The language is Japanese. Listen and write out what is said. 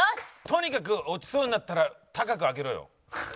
とにかく落ちそうになったら高く上げろよ。